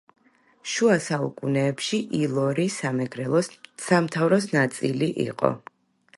შუა საუკუნეებში ილორი სამეგრელოს სამთავროს ნაწილი იყო.